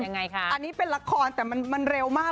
อันนี้เป็นละครแต่มันเร็วมาก